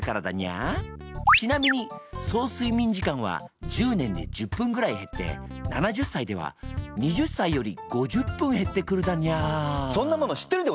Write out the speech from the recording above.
ちなみに総睡眠時間は１０年で１０分ぐらい減って７０歳では２０歳より５０分減ってくるだにゃー。